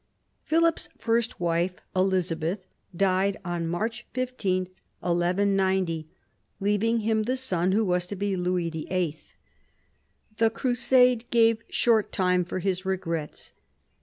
Philip's first wife, Elizabeth, died on March 15, 1190, leaving him the son who was to be Louis VIII. The crusade gave short time for his regrets.